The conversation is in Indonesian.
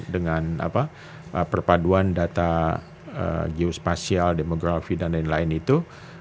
dengan perpaduan data geospasial demografi dan lain lain itu